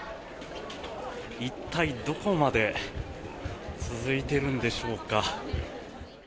一体、どこまで続いてるんでしょうか。